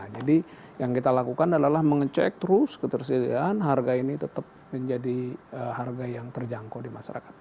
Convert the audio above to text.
jadi yang kita lakukan adalah mengecek terus ketersediaan harga ini tetap menjadi harga yang terjangkau di masyarakat